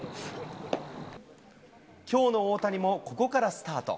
きょうの大谷も、ここからスタート。